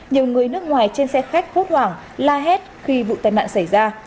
nhiều người nước ngoài trên xe khách hốt hoảng la hét khi vụ tai nạn xảy ra